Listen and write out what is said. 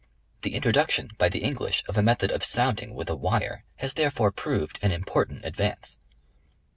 The introduction by the English of a method of sounding with a wire, has therefore proved an im portant advance.